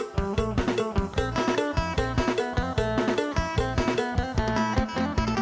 สนุนโดยอีซุสเอกสิทธิ์แห่งความสุข